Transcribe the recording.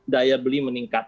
daya beli meningkat